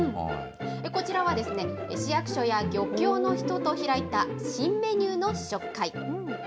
こちらはですね、市役所や漁協の人と開いた新メニューの試食会。